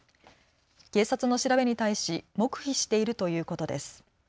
警察の調べに対し黙秘しているということです。